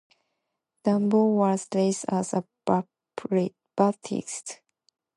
Dando was raised as a Baptist.